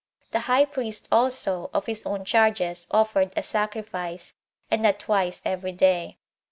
The high priest also, of his own charges, offered a sacrifice, and that twice every day.